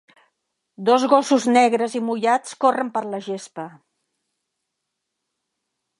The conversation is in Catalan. Dos gossos negres i mullats corren per la gespa.